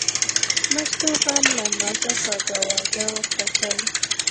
مستو هم له نازه کاږه واږه ور وکتل.